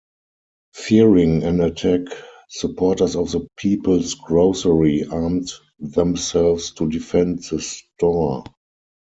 Fearing an attack, supporters of the People's Grocery armed themselves to defend the store.